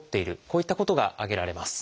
こういったことが挙げられます。